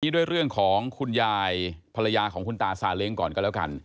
ด้วยเรื่องของคุณยายภรรยาของคุณตาซาเล้งก่อนก็แล้วกัน